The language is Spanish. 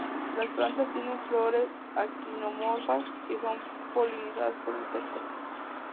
Las plantas tienen flores actinomorfas y son polinizadas por insectos.